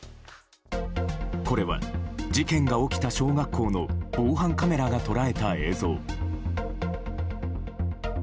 これは、事件が起きた小学校の防犯カメラが捉えた映像。